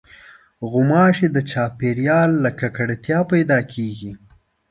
غوماشې د چاپېریال له ککړتیا پیدا کېږي.